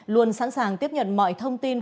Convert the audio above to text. luôn sẵn sàng tiếp nhận mọi thông tin